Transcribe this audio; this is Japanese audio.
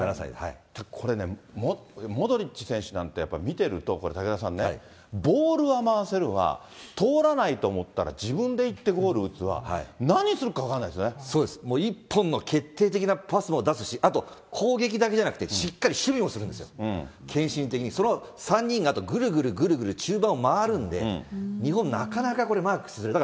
これね、モドリッチ選手なんてやっぱり見てると、これ、武田さんね、ボールは回せるわ、通らないと思ったら自分で行ってボール打つわ、何するか分からなそうです、もう一本の決定的なパスも出すし、あと攻撃だけじゃなくて、しっかり守備もするんですよ、献身的に、その３人があと、ぐるぐるぐるぐる中盤を回るんで、日本、なかなかこれ、マークするのが。